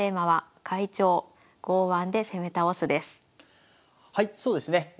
はいそうですね